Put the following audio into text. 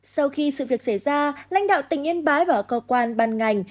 sau khi sự việc xảy ra lãnh đạo tỉnh yên bái và các cơ quan ban ngành